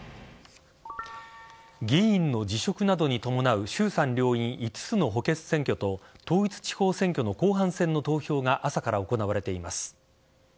議員の辞職などに伴う衆参両院５つの補欠選挙と統一地方選挙の後半戦の投票が朝から行われています。